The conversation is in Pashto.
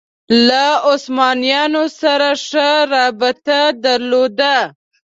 له عثمانیانو سره ښه رابطه درلوده